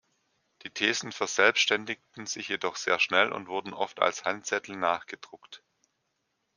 Die Thesen verselbständigten sich jedoch sehr schnell und wurden oft als Handzettel nachgedruckt.